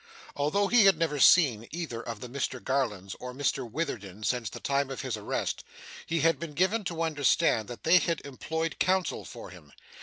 Although he had never seen either of the Mr Garlands, or Mr Witherden, since the time of his arrest, he had been given to understand that they had employed counsel for him.